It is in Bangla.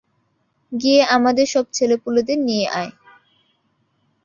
গিযে আমাদের সব ছেলেপুলেদের নিয়ে আয়।